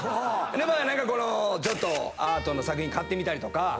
でまあ何かこのアートの作品買ってみたりとか。